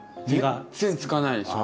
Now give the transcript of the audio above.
全然つかないでしょ。